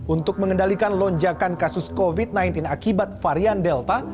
untuk mengendalikan lonjakan kasus covid sembilan belas akibat varian delta